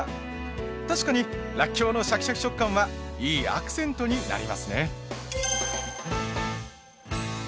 確かにらっきょうのシャキシャキ食感はいいアクセントになりますね。